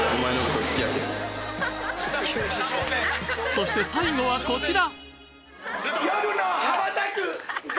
そして最後はこちら！